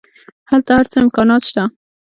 هلته هر څه امکانات شته.